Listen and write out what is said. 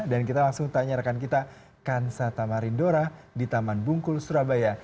dan kita langsung tanya rekan kita kansa tamarindora di taman bungkul surabaya